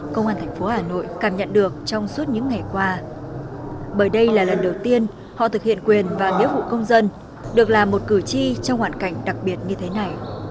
công an thành phố hà nội cảm nhận được trong suốt những ngày qua bởi đây là lần đầu tiên họ thực hiện quyền và nghĩa vụ công dân được làm một cử tri trong hoàn cảnh đặc biệt như thế này